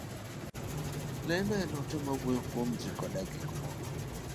lendo en ote mawuoyo kuom ji koda gik moko.